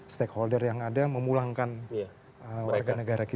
stakeholder yang ada memulangkan warga negara kita